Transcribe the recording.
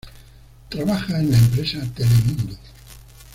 Trabaja en la empresa Telemundo.